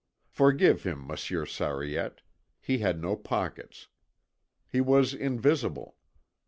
Forgive him, Monsieur Sariette, he had no pockets. He was invisible.